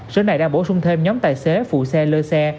sở này đã bổ sung thêm nhóm tài xế phụ xe lơ xe